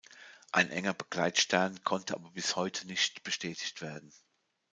Ein enger Begleitstern konnte aber bis heute nicht bestätigt werden.